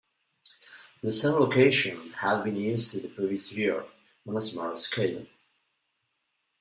That same location had been used the previous year, on a smaller scale.